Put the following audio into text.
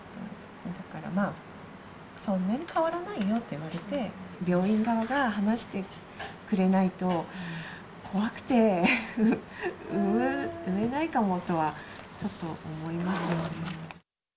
だから、そんなに変わらないよって言われて、病院側が話してくれないと、怖くて産めないかもとは、ちょっと思いますよね。